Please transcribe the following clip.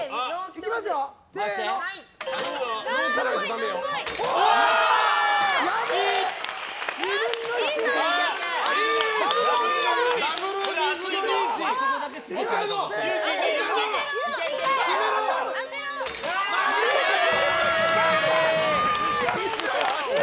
いきます！